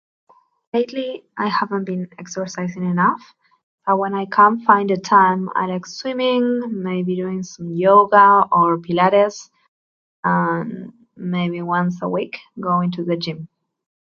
Lately, I haven't been exercising enough. But when I come find a time, I like swimming, maybe doing some yoga or palates. Um, maybe once a week, going to the gym.